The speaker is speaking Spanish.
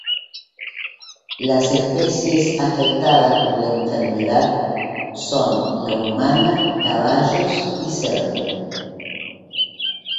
Las especies afectadas por la enfermedad son la humana, caballo y cerdo.